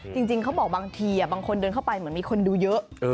จริงเขาบอกบางทีบางคนเดินเข้าไปเหมือนมีคนดูเยอะ